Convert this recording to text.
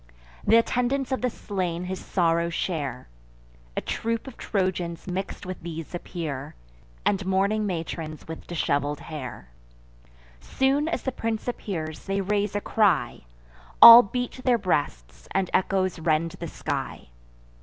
Th' attendants of the slain his sorrow share. A troop of Trojans mix'd with these appear, And mourning matrons with dishevel'd hair. Soon as the prince appears, they raise a cry; All beat their breasts, and echoes rend the sky.